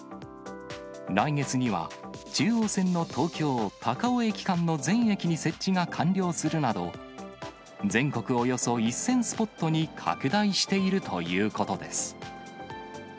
来月には、中央線の東京・高尾駅間の全駅に設置が完了するなど、全国およそ１０００スポットに拡大しているということです。